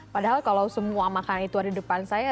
padahal kalau semua makanan itu ada di depan saya